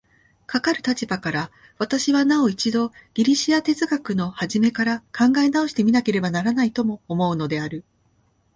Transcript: かかる立場から、私はなお一度ギリシヤ哲学の始から考え直して見なければならないとも思うのである。